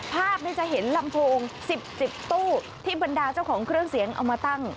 ภาพจะเห็นลำโพง๑๐๑๐ตู้ที่บรรดาเจ้าของเครื่องเสียงเอามาตั้ง